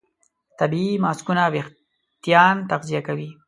طبیعي ماسکونه وېښتيان تغذیه کوي.